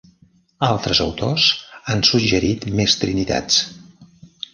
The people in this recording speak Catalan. Altres autors han suggerit més trinitats.